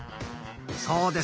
そうです。